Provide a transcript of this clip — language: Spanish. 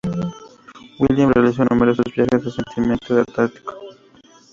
Williams realizó numerosos viajes al continente antártico.